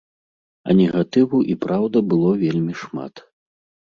А негатыву, і праўда, было вельмі шмат.